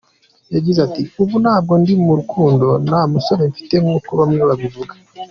Yagize ati “Ubu ntabwo ndi mu rukundo, nta musore mfite nk’uko bamwe babivuga.